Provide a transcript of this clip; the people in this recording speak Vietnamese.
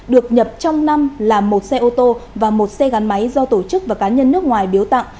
được nhập trong năm là một xe ô tô và một xe gắn máy do tổ chức và cá nhân nước ngoài biếu tặng